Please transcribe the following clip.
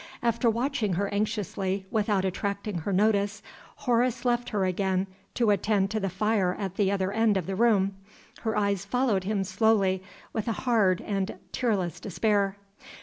After watching her anxiously, without attracting her notice, Horace left her again to attend to the fire at the other end of the room. Her eyes followed him slowly with a hard and tearless despair.